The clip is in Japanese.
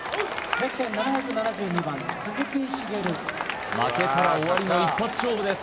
ゼッケン７７２番鈴木茂負けたら終わりの一発勝負です